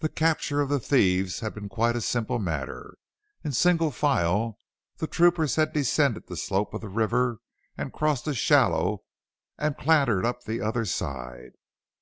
The capture of the thieves had been quite a simple matter. In single file the troopers had descended the slope of the river, crossed a shallow, and clattered up the other side.